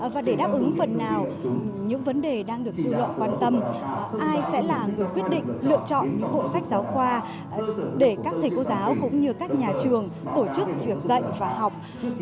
và để đáp ứng phần nào những vấn đề đang được dư luận quan tâm ai sẽ là người quyết định lựa chọn những bộ sách giáo khoa để các thầy cô giáo cũng như các nhà trường tổ chức việc dạy và học